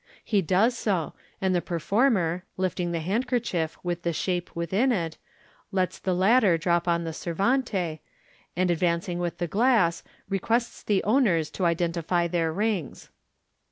He does so, and the performer, lifting the handkerchief with the shape within it, lets the latter drop on the servante, and advancing with the glass, requests the owners to identify their rings.